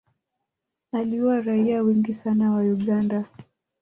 aliua raia wengi sana wa uganda